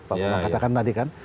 pak bambang katakan tadi kan